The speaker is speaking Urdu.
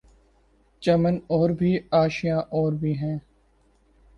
چمن اور بھی آشیاں اور بھی ہیں